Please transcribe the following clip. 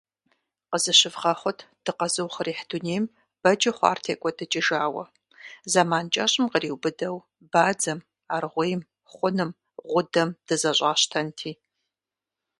Къызыщывгъэхъут дыкъэзыухъуреихь дунейм бэджу хъуар текIуэдыкIыжауэ. Зэман кIэщIым къриубыдэу бадзэм, аргъуейм, хъуным, гъудэм дызэщIащтэнти.